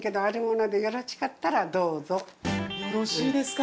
よろしいですか？